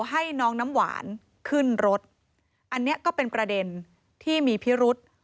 ให้น้องน้ำหวานขึ้นรถอันนี้ก็เป็นประเด็นที่มีพิรุษ